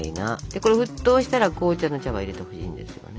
これ沸騰したら紅茶の茶葉を入れてほしいんですよね。